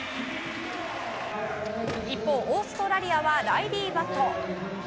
一方、オーストラリアはライリー・バット。